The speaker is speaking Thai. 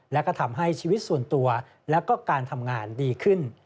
และก็ทำให้ชีวิตส่วนตัวและก็การทำงานดีขึ้น